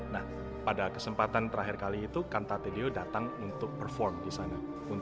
nah pada kesempatan terakhir kali itu cantate deus datang untuk perform disana